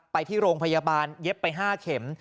ไปที่โรงพยาบาลเย็บไป๕เข็ม